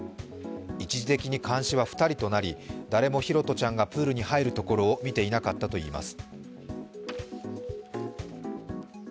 一時的に監視は２人となり誰も拓杜ちゃんがプールに入るところを見ていなかったといいます。